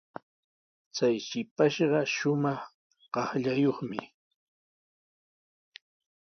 Chay shipashqa shumaq qaqllayuqmi.